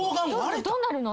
どうなるの？